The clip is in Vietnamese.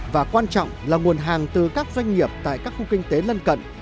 và quan trọng là nguồn hàng từ các doanh nghiệp tại các khu kinh tế lân cận